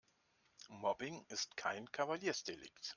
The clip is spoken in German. Mobbing ist kein Kavaliersdelikt.